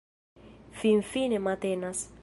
Finfine matenas.